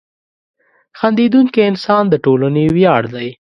• خندېدونکی انسان د ټولنې ویاړ دی.